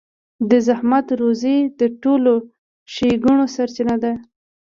د زحمت روزي د ټولو ښېګڼو سرچينه ده.